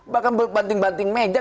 bahkan banting banting meja